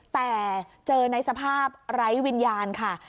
แต่เจอในสภาพไร้วิญญาณค่ะ